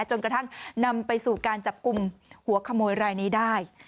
จนกระทั่งนำไปสู่การจับกลุ่มหัวขโมยรายนี้ได้